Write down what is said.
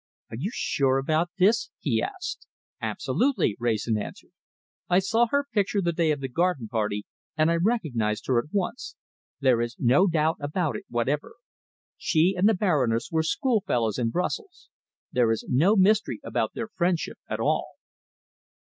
"Are you sure about this?" he asked. "Absolutely," Wrayson answered. "I saw her picture the day of the garden party, and I recognized her at once. There is no doubt about it whatever. She and the Baroness were schoolfellows in Brussels. There is no mystery about their friendship at all."